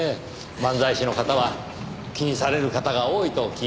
漫才師の方は気にされる方が多いと聞いています。